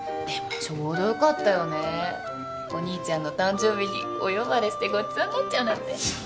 でもちょうど良かったよねお兄ちゃんの誕生日にお呼ばれしてごちそうになっちゃうなんて。